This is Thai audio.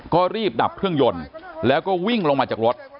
ก็รีบดับเครื่องยนต์แล้วก็วิ่งลงมาจากรถ